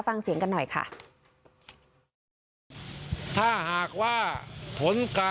ฟังเสียงกันหน่อยค่ะ